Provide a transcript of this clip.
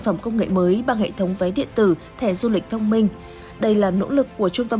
phẩm công nghệ mới bằng hệ thống vé điện tử thẻ du lịch thông minh đây là nỗ lực của trung tâm